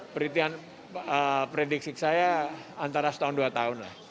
penelitian prediksi saya antara setahun dua tahun lah